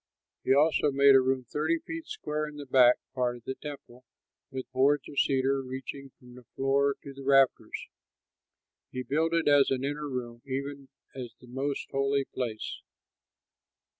He also made a room thirty feet square in the back part of the temple with boards of cedar reaching from the floor to the rafters. He built it as an inner room, even as the most holy place.